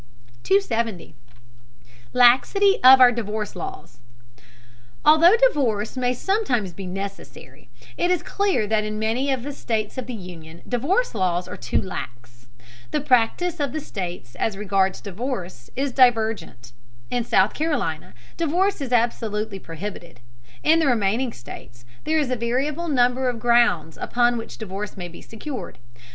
270. LAXITY OF OUR DIVORCE LAWS. Although divorce may sometimes be necessary, it is clear that in many of the states of the Union divorce laws are too lax. The practice of the states as regards divorce is divergent: in South Carolina divorce is absolutely prohibited; in the remaining states there is a variable number of grounds upon which divorce may be secured.